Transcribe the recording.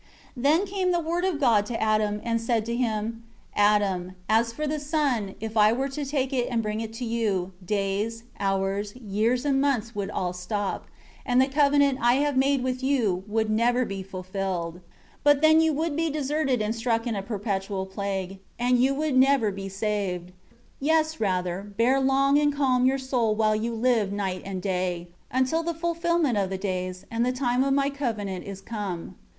9 Then came the Word of God to Adam, and said to him, "Adam, as for the sun, if I were to take it and bring it to you, days, hours, years and months would all stop, and the covenant I have made with you, would never be fulfilled. 10 But then you would be deserted and stuck in a perpetual plague, and you would never be saved. 11 Yes, rather, bear long and calm your soul while you live night and day; until the fulfillment of the days, and the time of My covenant is come.